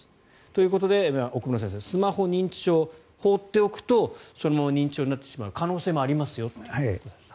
ということで奥村先生スマホ認知症、放っておくとそのまま認知症になってしまう可能性がありますよと。